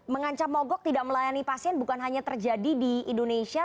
mengancam mogok tidak melayani pasien bukan hanya terjadi di indonesia